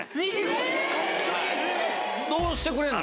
どうしてくれんの？